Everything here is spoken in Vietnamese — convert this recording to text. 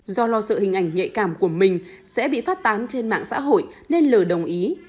do lo sợ hình ảnh nhạy cảm của mình sẽ bị phát tán trên mạng xã hội nên l đồng ý